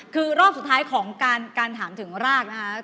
คือรอบสุดท้ายของการถามถึงรากนะคะ